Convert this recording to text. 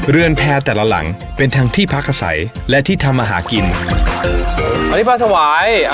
เรือนแพร่แต่ละหลังเป็นทางที่พักอาศัยและที่ทำอาหารกินอันนี้มาถวาย